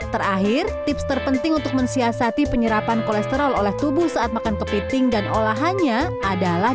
terakhir tips terpenting untuk mensiasati penyerapan kolesterol oleh tubuh saat makan kepiting dan olahannya adalah